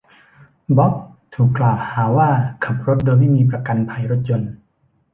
บ๊อบถูกกล่าวหาว่าขับรถโดยไม่มีประกันภัยรถยนต์